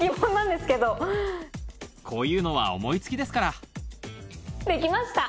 こういうのは思い付きですからできました。